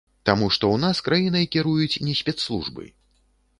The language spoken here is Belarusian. Таму, што ў нас краінай кіруюць не спецслужбы.